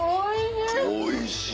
おいしい！